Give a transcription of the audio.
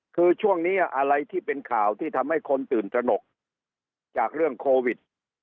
คือช่วงนี้อะไรที่เป็นข่าวที่ทำให้คนตื่นตระหนกจากเรื่องโควิด